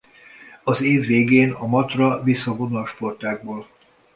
Az év végén a Matra visszavonult a sportágból.